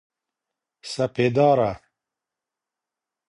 سپېداره